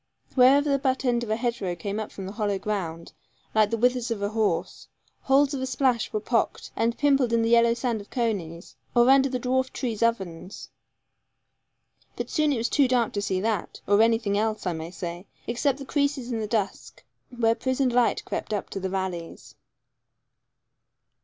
Wherever the butt end of a hedgerow came up from the hollow ground, like the withers of a horse, holes of splash were pocked and pimpled in the yellow sand of coneys, or under the dwarf tree's ovens. But soon it was too dark to see that, or anything else, I may say, except the creases in the dusk, where prisoned light crept up the valleys.